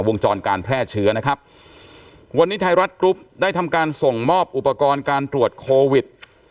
วงจรการแพร่เชื้อนะครับวันนี้ไทยรัฐกรุ๊ปได้ทำการส่งมอบอุปกรณ์การตรวจโควิด